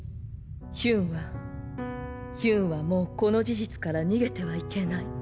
ヒュンはヒュンはもうこの事実から逃げてはいけない。